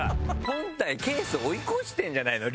本体をケースが追い越してるんじゃないの？